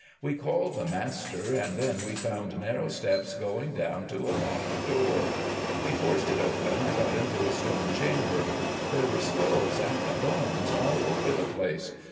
We called the master, and then we found narrow steps going down to a locked door. We forced it open, and got into a stone chamber. There were skulls and bones all over the place.